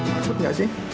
maksud nggak sih